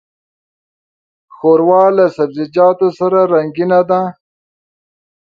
ښوروا له سبزيجاتو سره رنګینه ده.